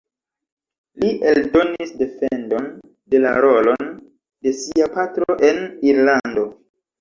Li eldonis defendon de la rolon de sia patro en Irlando.